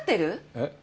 えっ？